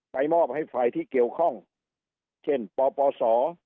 มอบให้ฝ่ายที่เกี่ยวข้องเช่นปปศ